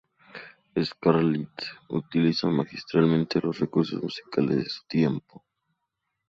Scarlatti utiliza magistralmente los recursos musicales de su tiempo.